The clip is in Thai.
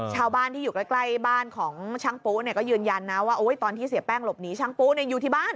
ชาวบ้านที่อยู่ใกล้ใกล้บ้านของชั้นปูเนี่ยก็ยืนยันนะว่าโอ้ยตอนที่เสียแป้งหลบหนีชั้นปูเนี่ยอยู่ที่บ้าน